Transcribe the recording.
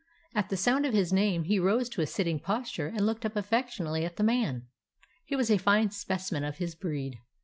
At the sound of his name he rose to a sit ting posture and looked up affectionately at the man. He was a fine specimen of his breed.